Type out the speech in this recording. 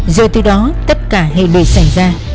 rồi từ đó tất cả hệ lệ xảy ra